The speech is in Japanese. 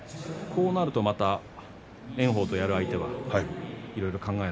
こうなると炎鵬とやる相手はいろいろ考え